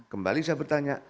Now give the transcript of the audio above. kembali saya bertanya